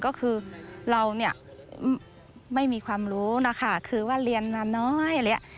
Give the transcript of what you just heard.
ก็คือเราไม่มีความรู้คือว่าเรียนมาน้อย